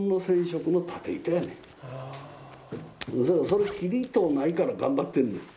それ切りとうないから頑張ってんねん。